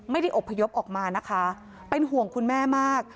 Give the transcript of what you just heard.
อบพยพออกมานะคะเป็นห่วงคุณแม่มาก